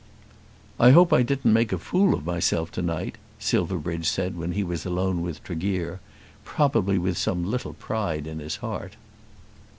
"I hope I didn't make a fool of myself to night," Silverbridge said when he was alone with Tregear, probably with some little pride in his heart.